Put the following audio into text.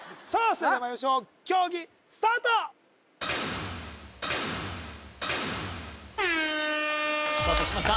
それではまいりましょう競技スタートスタートしました